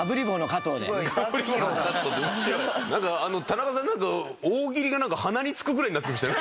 田中さんなんか大喜利が鼻につくぐらいになってきましたよ。